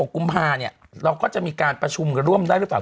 กุมภาเนี่ยเราก็จะมีการประชุมกันร่วมได้หรือเปล่า